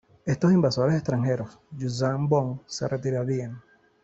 Estos invasores extranjeros, yuuzhan vong, se retirarían.